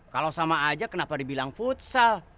kalau sama aja kenapa dibilang futsal